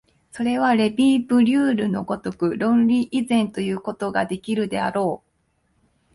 それはレヴィ・ブリュールの如く論理以前ということができるであろう。